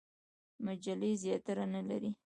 مجلې زیاتره نه لري.